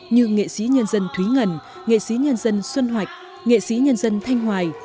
như nghệ sĩ nhân dân thúy ngân nghệ sĩ nhân dân xuân hoạch nghệ sĩ nhân dân thanh hoài